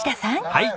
はい。